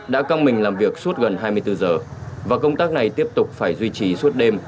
đã căng mình làm việc suốt gần hai mươi bốn giờ và công tác này tiếp tục phải duy trì suốt đêm